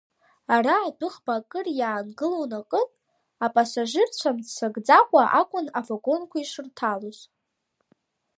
Ара адәыӷба акыр иаангылон аҟнытә, апасажьырцәа мццакӡакәа акәын авагонқәа ишырҭалоз.